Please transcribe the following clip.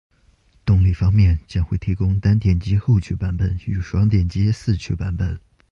动力方面，将会提供单电机后驱版本与双电机四驱版本